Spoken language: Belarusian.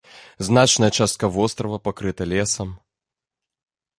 Значная частка вострава пакрыта лесам.